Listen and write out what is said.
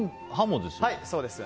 そうです。